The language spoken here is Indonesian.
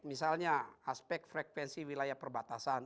misalnya aspek frekuensi wilayah perbatasan